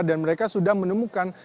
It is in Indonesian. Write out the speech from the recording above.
dan mereka sudah menemukan